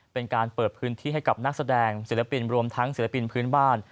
เป็นการเปิดพื้นที่ให้กับนักแสดงศิลปินรวมทั้งศิลปินพื้นบ้าน